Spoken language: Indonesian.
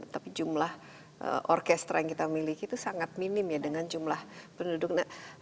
tapi jumlah orkestra yang kita miliki itu sangat minim ya dengan jumlah penduduk